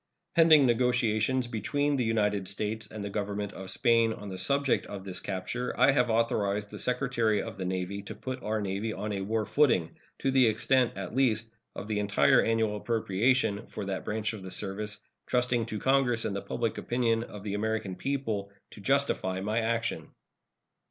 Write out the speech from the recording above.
Pending negotiations between the United States and the Government of Spain on the subject of this capture, I have authorized the Secretary of the Navy to put our Navy on a war footing, to the extent, at least, of the entire annual appropriation for that branch of the service, trusting to Congress and the public opinion of the American people to justify my action.